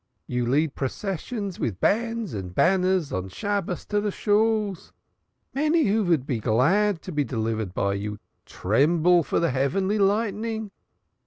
You lead processions vid bands and banners on Shabbos to de Shools. Many who vould be glad to be delivered by you tremble for de heavenly lightning.